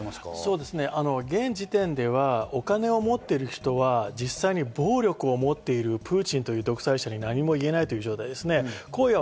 現時点ではお金を持っている人は実際に暴力を持っているプーチンという独裁者に何も言えないという状態ですね。